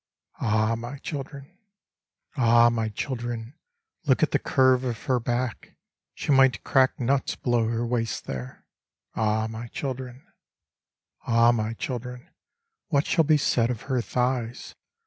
Ah I my children I Ah I my children I look at the curve of her back ; She might crack nuts below her waist there. Ah I my children ! Ah I my children I what shall be said of her thighs.